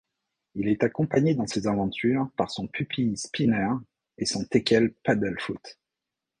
Il est accompagné dans ses aventures par son pupille Spinner et son teckel Paddlefoot.